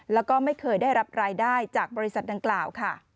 แล้วก็ไม่เคยได้รับรายได้จากบริษัทดังกล่าวค่ะ